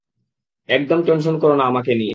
একদম টেনশন করো না আমাকে নিয়ে!